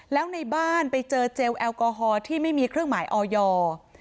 แล้วในบ้านไปเจอเจลแอลกอฮอล์ที่ไม่มีเครื่องหมายออยอร์